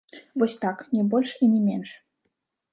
Вось так, не больш і не менш.